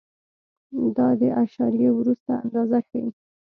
دا د اعشاریې وروسته اندازه ښیي.